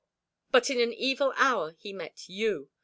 But in an evil hour he met you.